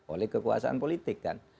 oleh kekuasaan politik kan